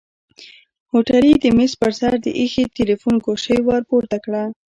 هوټلي د مېز پر سر د ايښي تليفون ګوشۍ ورپورته کړه.